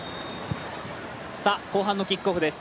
後半のキックオフです。